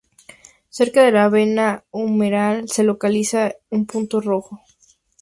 Cerca de la vena humeral se localiza un punto rojo.